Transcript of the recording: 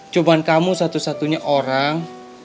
cobaan kamu satu satunya orang